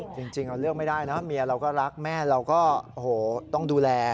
จริงเราเลือกไม่ได้นะเมียเราก็รักแม่เราก็โอ้โหต้องดูแล